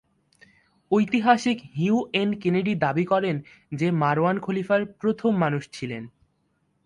ঐতিহাসিক Hugh N Kennedy দাবি করেন যে মারওয়ান খলিফার "প্রধান মানুষ" ছিলেন।